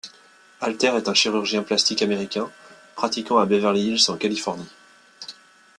Alter est un chirurgien plastique américain, pratiquant à Beverly Hills, en Californie.